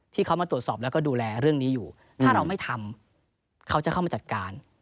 ที่เขามาตรวจสอบแล้วก็ดูแลเรื่องนี้อยู่ถ้าเราไม่ทำเขาจะเข้ามาจัดการ